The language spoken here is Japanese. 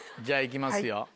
じゃあ行きますよ。